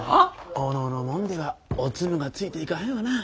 小野の者ではオツムがついていかへんわな。